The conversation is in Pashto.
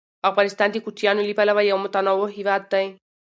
افغانستان د کوچیانو له پلوه یو متنوع هېواد دی.